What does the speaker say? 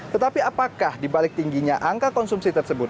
tetapi apakah dibalik tingginya angka konsumsi tersebut